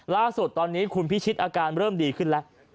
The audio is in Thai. ล่าสุดตอนนี้คุณพิชิตอาการเริ่มดีขึ้นแล้ว